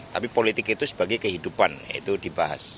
tapi politik itu sebagai kehidupan itu dibahas